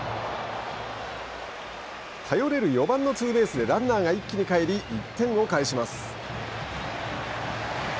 頼れる４番のツーベースでランナーが一気に帰り１点を返します。